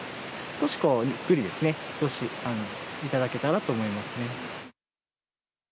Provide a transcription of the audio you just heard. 少し、こうゆっくりですね過ごしていただけたらと思います。